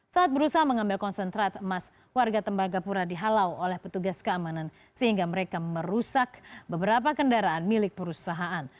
saat berusaha mengambil konsentrat emas warga tembagapura dihalau oleh petugas keamanan sehingga mereka merusak beberapa kendaraan milik perusahaan